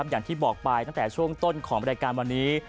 อย่างที่บอกไปตั้งแต่ช่วงต้นของบริการวันนี้